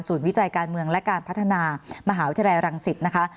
วิจัยการเมืองและการพัฒนามหาวิทยาลัยรังสิตนะคะ